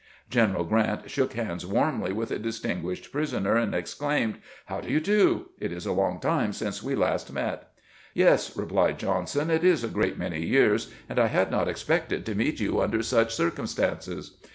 General Grant shook hands warmly with the distinguished prisoner, and exclaimed, "How do you do? It is a long time since we last met." " Yes," replied Johnson ;" it is a great many years, and I had not expected to meet you under such circumstances."